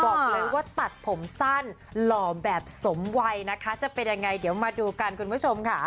บอกเลยว่าตัดผมสั้นหล่อแบบสมวัยนะคะจะเป็นยังไงเดี๋ยวมาดูกันคุณผู้ชมค่ะ